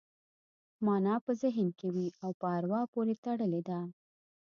مانا په ذهن کې وي او په اروا پورې تړلې ده